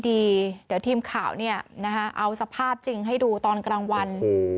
เดี๋ยวทีมข่าวเอาสภาพจริงให้ดูตอนกลางวัน